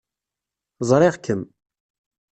Ẓriɣ-kem.